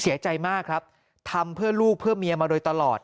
เสียใจมากครับทำเพื่อลูกเพื่อเมียมาโดยตลอด